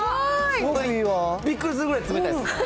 びっくりするぐらい冷たいです。